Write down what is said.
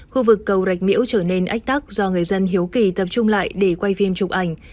khu vực cầu rạch miễu trở nên ách tắc do người dân hiếu kỳ tập trung lại để quay phim chụp ảnh